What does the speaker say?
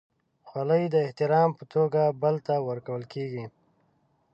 خولۍ د احترام په توګه بل ته ورکول کېږي.